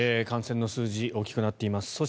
感染の数字大きくなっています。